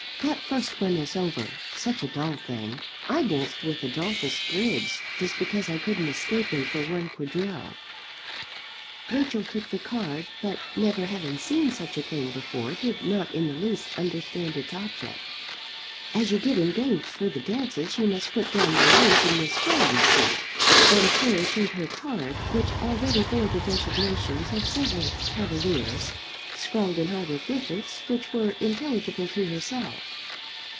"That first one is over. Such a dull thing. I danced with Adolphus Griggs, just because I couldn't escape him for one quadrille." Rachel took the card, but never having seen such a thing before did not in the least understand its object. "As you get engaged for the dances you must put down their names in this way, you see," and Cherry showed her card, which already bore the designations of several cavaliers, scrawled in hieroglyphics which were intelligible to herself.